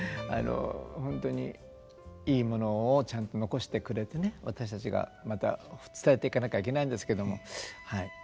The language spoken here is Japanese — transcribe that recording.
本当にいいものをちゃんと残してくれてね私たちがまた伝えていかなきゃいけないんですけどもはい。